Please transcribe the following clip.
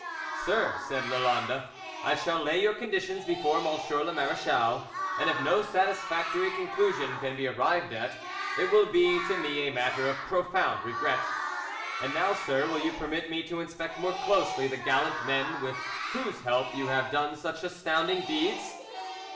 "Sir," said Lalande, "I shall lay your conditions before M. le Marechal, and if no satisfactory conclusion can be arrived at, it will be to me a matter of profound regret. And now, sir, will you permit me to inspect more closely the gallant men with whose help you have done such astounding deeds?"